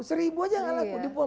seribu aja enggak laku